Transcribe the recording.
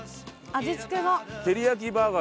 味付けが。